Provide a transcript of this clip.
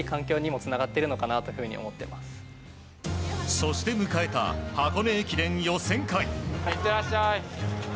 そして迎えた箱根駅伝予選会。